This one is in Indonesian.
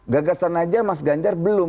gagasan aja mas ganjar belum